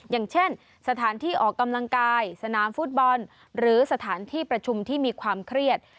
อย่างเช่นสถานที่ออกกำลังกายสนามฟุตบอลหรือสถานที่ประชุมที่มีความเครียด